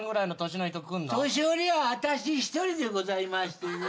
年寄りは私１人でございまして。